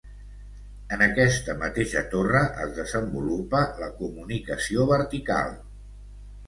En aquesta mateixa torre es desenvolupa la comunicació vertical.